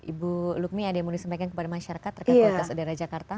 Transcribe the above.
ibu lukmi ada yang mau disampaikan kepada masyarakat terkait kualitas udara jakarta